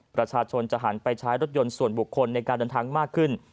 ประชาชนจะหันไปใช้รถยนต์ส่วนบุคคลในการเดินทางมากขึ้น